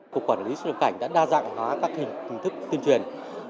cục quản lý xuất nhập cảnh đã đa dạng hóa các hình thức tuyên truyền